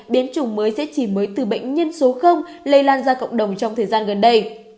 biến chủng mới sẽ chỉ mới từ bệnh nhân số lây lan ra cộng đồng trong thời gian gần đây